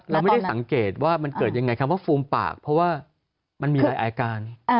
เราไม่ได้สังเกตว่ามันเกิดยังไงคำว่าฟูมปากเพราะว่ามันมีหลายอาการ